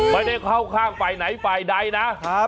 ไม่ได้เข้าข้างไปไหนไปใดนะ